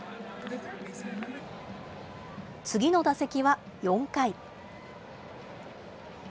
次の打席は４回。